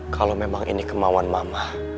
kalau memang ini kemauan mama